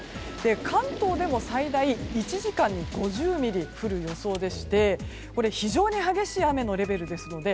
関東でも最大１時間に５０ミリ降る予想でしてこれは非常に激しい雨のレベルですので